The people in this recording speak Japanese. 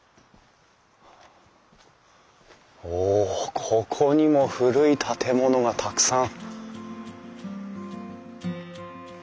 おここにも古い建物がたくさん！